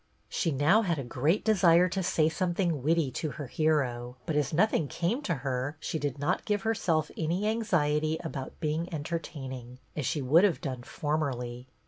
She now had a great desire to say some thing witty to her hero, but as nothing came to her she did not give herself any anxiety about being entertaining, as she would have done formerly.